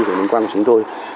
liên quan của chúng tôi